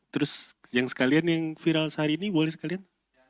terus yang sekalian yang viral sehari ini boleh sekalian